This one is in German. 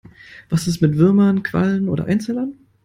Was ist mit Würmern, Quallen oder Einzellern?